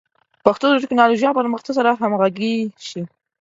پښتو د ټکنالوژۍ او پرمختګ سره همغږي شي.